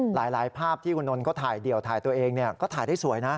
หลายภาพที่คุณนนท์เขาถ่ายเดี่ยวถ่ายตัวเองก็ถ่ายได้สวยนะ